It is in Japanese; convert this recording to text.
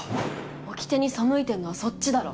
おきてに背いてんのはそっちだろ